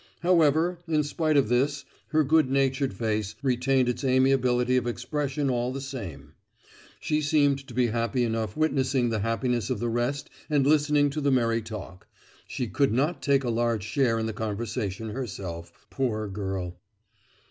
However, in spite of this, her good natured face retained its amiability of expression all the same. She seemed to be happy enough witnessing the happiness of the rest and listening to the merry talk; she could not take a large share in the conversation herself, poor girl!